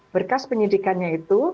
berkas penyidikannya itu